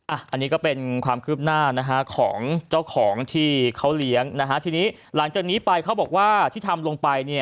อันนี้ก็เป็นความคืบหน้าของเจ้าของที่เขาเลี้ยงนะฮะทีนี้หลังจากนี้ไปเขาบอกว่าที่ทำลงไป